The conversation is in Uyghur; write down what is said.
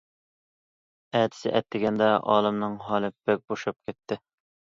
ئەتىسى ئەتىگەندە ئالىمنىڭ ھالى بەكلا بوشاپ كەتتى.